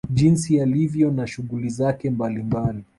Jinsi yalivyo na shughuli zake mbali mbali